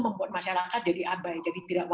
membuat masyarakat jadi abai jadi tidak mau